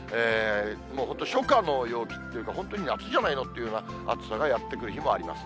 もう本当、初夏の陽気っていうか、本当に夏じゃないのっていうような暑さがやって来る日もあります。